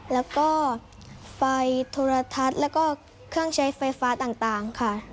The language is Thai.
แล้วก็ไฟโทรทัศน์แล้วก็เครื่องใช้ไฟฟ้าต่างค่ะ